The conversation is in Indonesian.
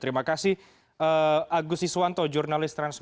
terima kasih agus iswanto jurnalis transmedia